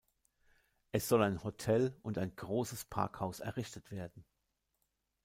Es soll ein Hotel und ein großes Parkhaus errichtet werden.